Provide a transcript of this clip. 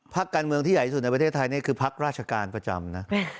พักการเมืองที่ใหญ่ที่สุดในประเทศไทยนี่คือพักราชการประจำนะ